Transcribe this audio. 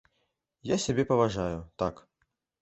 Я сябе паважаю, так.